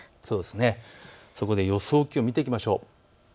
そこで予想気温を見ていきましょう。